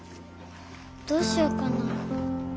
どうしようかな。